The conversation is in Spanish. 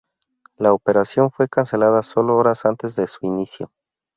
La operación fue cancelada solo horas antes de su inicio.